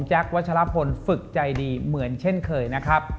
วัชลพลฝึกใจดีเหมือนเช่นเคยนะครับ